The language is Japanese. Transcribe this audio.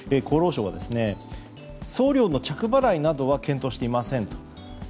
厚労省は送料の着払いなどは検討していませんと。